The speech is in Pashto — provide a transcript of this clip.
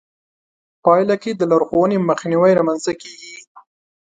پايله کې د لارښوونې مخنيوی رامنځته کېږي.